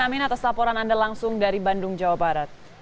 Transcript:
amin atas laporan anda langsung dari bandung jawa barat